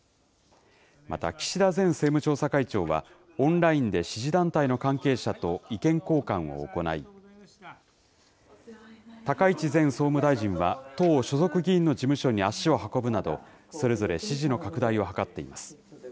また、岸田前政務調査会長は、オンラインで支持団体の関係者と意見交換を行い、高市前総務大臣は、党所属議員の事務所に足を運ぶなど、それぞれ支持の拡大を図っています。